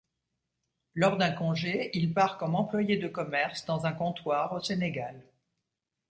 Lors d'un congé, il part comme employé de commerce dans un comptoir au Sénégal.